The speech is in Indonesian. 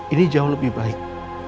ini jauh lebih baik